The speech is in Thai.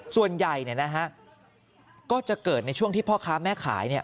ส่วนใหญ่เนี่ยนะฮะก็จะเกิดในช่วงที่พ่อค้าแม่ขายเนี่ย